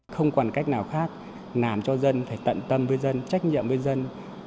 không còn cách nào khác làm cho dân phải tận tâm với dân trách nhiệm với dân